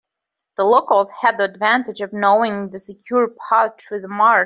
The locals had the advantage of knowing the secure path through the marsh.